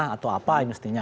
atau apa yang mestinya